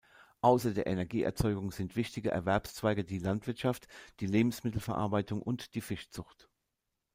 Außer der Energieerzeugung sind wichtige Erwerbszweige die Landwirtschaft, die Lebensmittelverarbeitung und die Fischzucht.